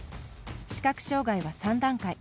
視覚障がいは３段階。